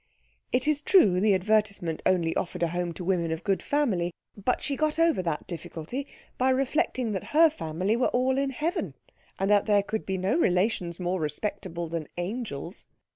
It is true the advertisement only offered a home to women of good family; but she got over that difficulty by reflecting that her family was all in heaven, and that there could be no relations more respectable than angels.